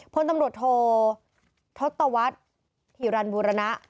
พลตำรวจโททศตวรรษหิรันบูรณะ